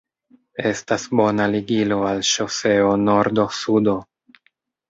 Estas bona ligilo al ŝoseo nordo-sudo.